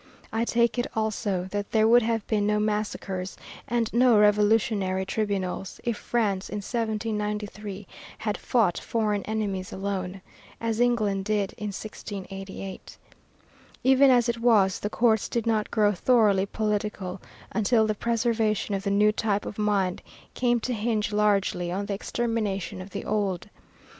I take it also that there would have been no massacres and no revolutionary tribunals, if France in 1793 had fought foreign enemies alone, as England did in 1688. Even as it was the courts did not grow thoroughly political until the preservation of the new type of mind came to hinge largely on the extermination of the old.